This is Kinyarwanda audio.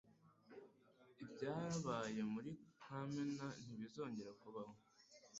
Ibyabaye Muri kamena ntibizongere kubaho